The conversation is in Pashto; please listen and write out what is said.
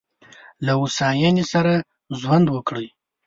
له هوساینې سره ژوند وکړئ.